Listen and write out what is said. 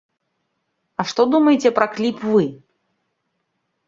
А што думаеце пра кліп вы?